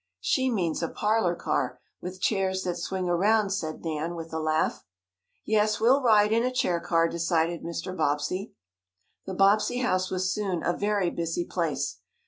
"She means a parlor car, with chairs that swing around," said Nan, with a laugh. "Yes, we'll ride in a chair car," decided Mr. Bobbsey. The Bobbsey house was soon a very busy place.